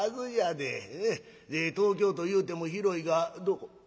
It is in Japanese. で東京というても広いがどこ？